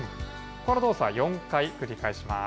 この動作を４回繰り返します。